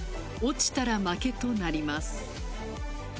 落ちたら負けとなります。